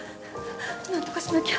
何とかしなきゃ。